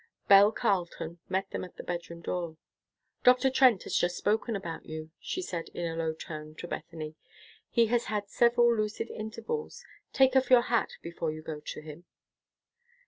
Belle Carleton met them at the bedroom door. "Dr. Trent has just spoken about you," she said in a low tone to Bethany. "He has had several lucid intervals. Take off your hat before you go to him."